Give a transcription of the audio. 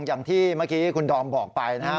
อย่างที่เมื่อกี้คุณดอมบอกไปนะครับ